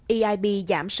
eib giảm sáu mươi